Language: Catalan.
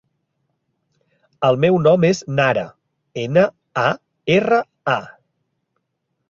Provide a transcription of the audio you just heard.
El meu nom és Nara: ena, a, erra, a.